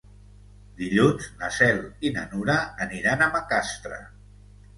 Dilluns na Cel i na Nura aniran a Macastre.